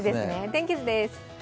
天気図です。